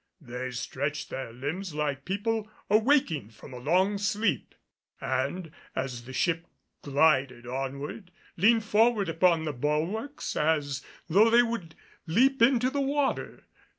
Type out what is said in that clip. They stretched their limbs like people awaking from a long sleep; and, as the ship glided onward, leaned forward upon the bulwarks as though they would leap into the water.